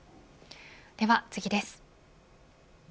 では次です。